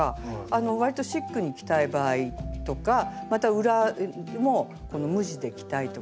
わりとシックに着たい場合とかまた裏もこの無地で着たいとかね